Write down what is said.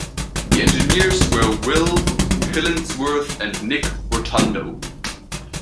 The engineers were Will Killingsworth and Nick Rotundo.